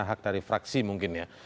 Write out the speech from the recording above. hak dari fraksi mungkin ya